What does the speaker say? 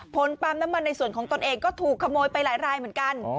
ปั๊มน้ำมันในส่วนของตนเองก็ถูกขโมยไปหลายรายเหมือนกัน